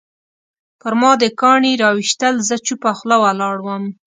پرما دې کاڼي راویشتل زه چوپه خوله ولاړم